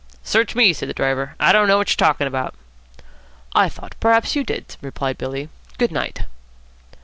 "Search me," said the driver, "I don't know what you're talking about." "I thought perhaps you did," replied Billy. "Good night."